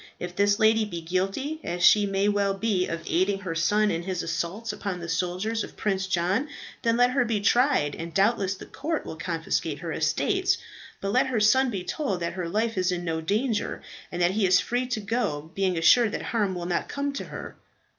If this lady be guilty, as she well may be, of aiding her son in his assaults upon the soldiers of Prince John, then let her be tried, and doubtless the court will confiscate her estates. But let her son be told that her life is in no danger, and that he is free to go, being assured that harm will not come to her."